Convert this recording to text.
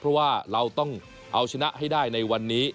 เพราะว่าเราต้องเอาชนะให้ได้ในวันนี้